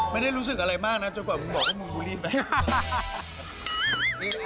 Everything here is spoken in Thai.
ไม่ได้รู้สึกอะไรมากนะจนกว่ามึงบอกว่ามึงบูลลี่ไม่ได้